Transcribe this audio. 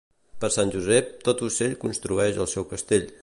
Per Sant Josep, tot ocell construeix el seu castell.